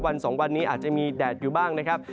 ๒วันนี้อาจจะมีแดดอยู่บ้างนะครับ